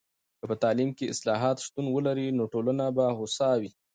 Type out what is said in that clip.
که په تعلیم کې اصلاحات شتون ولري، نو ټولنه به هوسا وي.